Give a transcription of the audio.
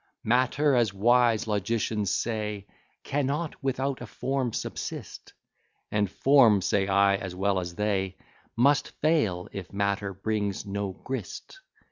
Matter, as wise logicians say, Cannot without a form subsist; And form, say I, as well as they, Must fail if matter brings no grist.